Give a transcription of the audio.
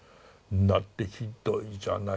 だってひどいじゃないですか。